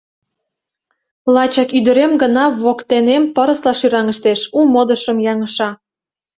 Лачак ӱдырем гына воктенем пырысла шӱраҥыштеш, у модышым яҥыша.